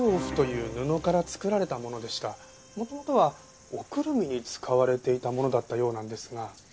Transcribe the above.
元々はおくるみに使われていたものだったようなんですが。